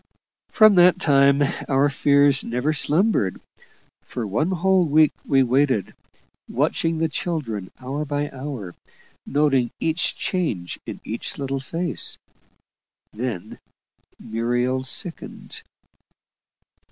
From that time our fears never slumbered. For one whole week we waited, watching the children hour by hour, noting each change in each little face; then Muriel sickened.